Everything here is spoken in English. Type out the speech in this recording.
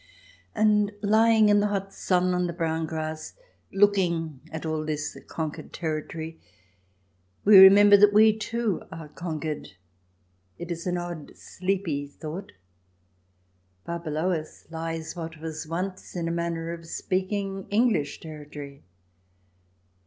And lying in the hot sun on the brown grass, looking at all this conquered territory, we remember that we, too, are conquered. It is an odd, sleepy CH. XVI] SUBJECT RACES 213 thought. Far below us lies what was once, in a manner of speaking, English territory.